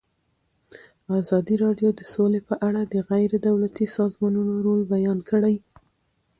ازادي راډیو د سوله په اړه د غیر دولتي سازمانونو رول بیان کړی.